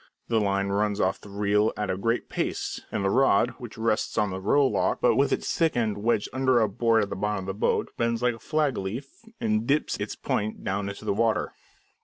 The line runs off the reel at a great pace, and the rod, which rests on the row lock, but with its thick end wedged under a board at the bottom of the boat, bends like a flag leaf and dips its point down into the water.